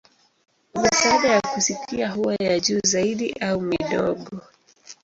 Misaada ya kusikia huwa ya juu zaidi au midogo.